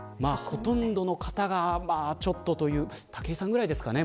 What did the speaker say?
ほとんどの方が、ちょっとという武井さんぐらいですかね